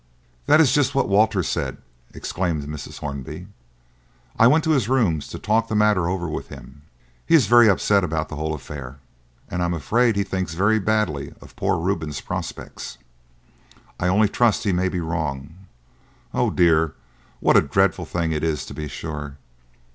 "That is just what Walter said," exclaimed Mrs. Hornby. "I went to his rooms to talk the matter over with him. He is very upset about the whole affair, and I am afraid he thinks very badly of poor Reuben's prospects. I only trust he may be wrong! Oh dear! What a dreadful thing it is, to be sure!"